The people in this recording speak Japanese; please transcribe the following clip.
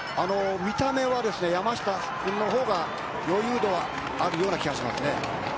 見た目は山下くんのほうが余裕があるような気がします。